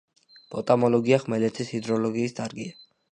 პოტამოლოგია ხმელეთის ჰიდროლოგიის დარგია.